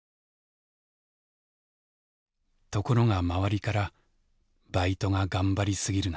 ところが周りから「バイトが頑張り過ぎるな」